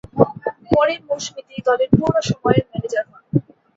পরের মৌসুমে তিনি দলের পূর্ণ-সময়ের ম্যানেজার হন।